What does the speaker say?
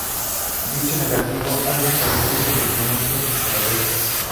Dicho negativo ha desaparecido y se desconoce su paradero.